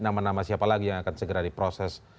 nama nama siapa lagi yang akan segera diproses